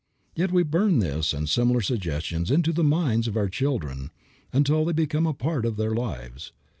Yet we burn this and similar suggestions into the minds of our children until they become a part of their lives.